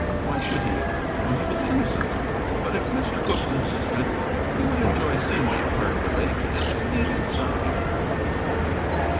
Why should he, when he was innocent? But, if Mr. Cooke insisted, he would enjoy seeing that part of the lake and the Canadian side.